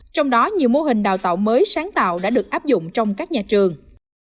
trong đó nhiều mô hình đào tạo mới sáng tạo đã được áp dụng trong các nhà trường